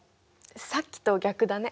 さっきと逆だね。